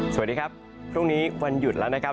สวัสดีครับพรุ่งนี้วันหยุดแล้วนะครับ